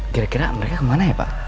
kira kira mereka kemana ya pak